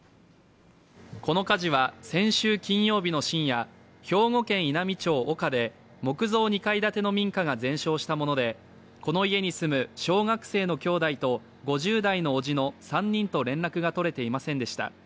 この火事は、先週金曜日の深夜兵庫県稲美町岡で木造２階建ての民家が全焼したものでこの家に住む小学生の兄弟と５０代の伯父の３人と連絡が取れていませんでした。